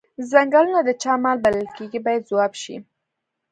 څنګلونه د چا مال بلل کیږي باید ځواب شي.